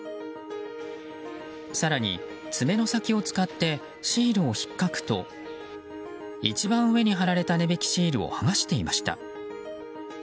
更に爪の先を使ってシールを引っかくと一番上に貼られた値引きシールを剥がしていました。